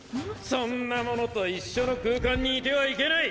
そんなものと一緒の空間にいてはいけない！